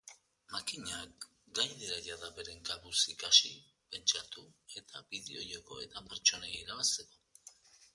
Makinak gai dira jada beren kabuz ikasi, pentsatu eta bideo-jokoetan pertsonei irabazteko.